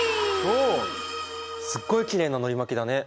おすっごいきれいなのり巻きだね。